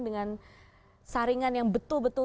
dengan saringan yang betul betul